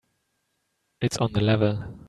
It's on the level.